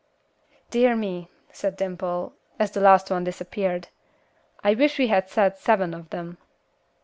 "Dear me," said Dimple, as the last one disappeared, "I wish we had said seven of them."